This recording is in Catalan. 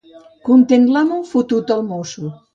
Content l'amo, fotut el mosso.